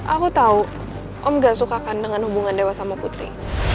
aku tahu om gak suka kan dengan hubungan dewa sama putri